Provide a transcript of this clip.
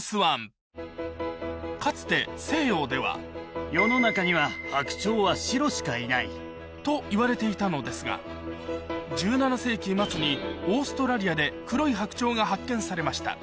かつて西洋ではといわれていたのですが１７世紀末にオーストラリアで黒い白鳥が発見されました